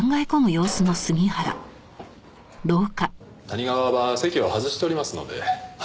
谷川は席を外しておりますので。